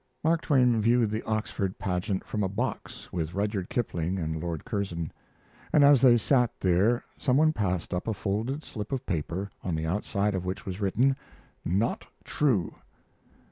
Mark Twain viewed the Oxford pageant from a box with Rudyard Kipling and Lord Curzon, and as they sat there some one passed up a folded slip of paper, on the outside of which was written, "Not true."